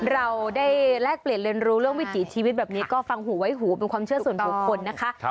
เราได้แลกเปลี่ยนเรียนรู้เรื่องวิถีชีวิตแบบนี้ก็ฟังหูไว้หูเป็นความเชื่อส่วนบุคคลนะคะ